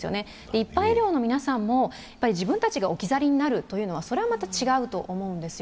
一般医療の皆さんも自分たちが置き去りになるというのはそれはまた違うと思うんですよ。